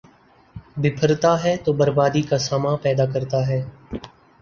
، بپھر تا ہے تو بربادی کا ساماں پیدا کرتا ہے ۔